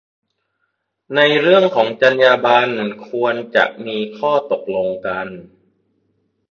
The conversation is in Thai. ในเรื่องของจรรยาบรรณ ควรจะมีข้อตกลงกัน